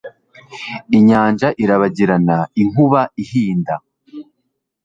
inyanja irabagirana, inkuba ihinda